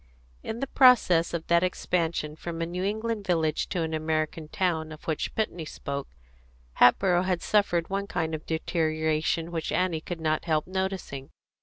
In the process of that expansion from a New England village to an American town of which Putney spoke, Hatboro' had suffered one kind of deterioration which Annie could not help noticing.